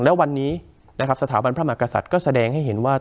และวันนี้นะครับสถาบันพระมหากษัตริย์ก็แสดงให้เห็นว่า